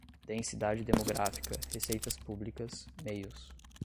densidade demográfica, receitas públicas, meios